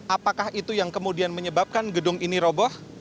apakah itu yang kemudian menyebabkan gedung ini roboh